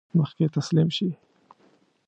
مخکې تسلیم شي.